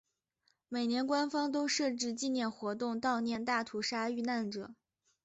每年官方都设置纪念活动悼念大屠杀遇难者。